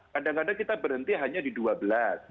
kadang kadang kita berhenti hanya di dua belas